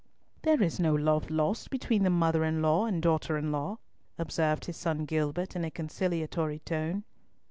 "There is no love lost between the mother in law and daughter in law," observed his son Gilbert in a consolatory tone.